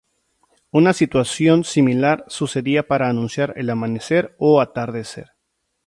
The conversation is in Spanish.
Una situación similar sucedía para anunciar el amanecer o atardecer.